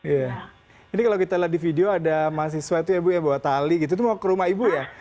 jadi kalau kita lihat di video ada mahasiswa itu ya bu yang bawa tali gitu itu mau ke rumah ibu ya